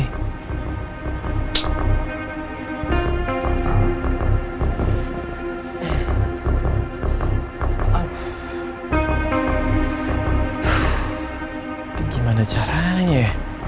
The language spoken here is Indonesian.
tapi gimana caranya ya